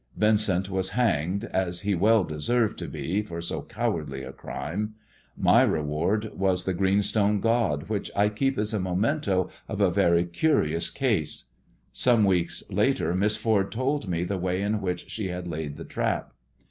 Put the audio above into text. Vincent was hanged, as he well deseci to be, tor 80 cowardly a crime. My reward wu.s the grq stone god, which I keep as a memento of a very cui'ioufl ^ Some weeks later Miss Ford told me the wny in whiebd had laid the trap.